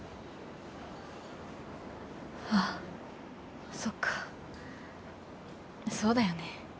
あっそっかそうだよね。